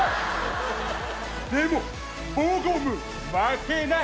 でもボゴム負けない